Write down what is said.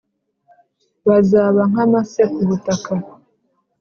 Bazaba nk amase ku butaka